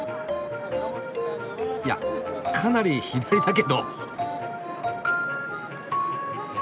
いやかなり左だけど！